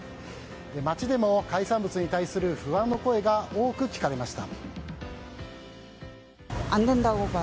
街でも海産物に対する不安の声が多く聞かれました。